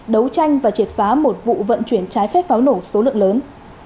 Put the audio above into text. đấu tranh và triệt phá một vụ vận chuyển trái phép pháo nổ số lượng lớn